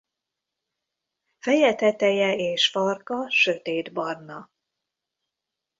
Feje teteje és farka sötét barna.